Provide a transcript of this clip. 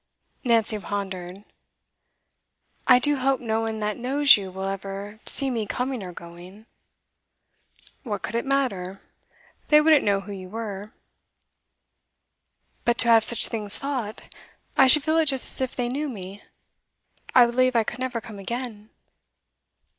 Nancy pondered. 'I do hope no one that knows you will ever see me coming or going.' 'What could it matter? They wouldn't know who you were.' 'But to have such things thought. I should feel it just as if they knew me. I believe I could never come again.